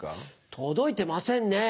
届いてませんね。